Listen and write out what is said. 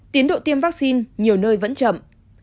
tiến độ tiêm vaccine nhiều nơi vẫn chậm